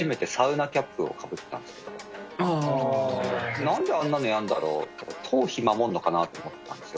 なんであんなのやんだろうと、頭皮守るのかなと思ったんですよ。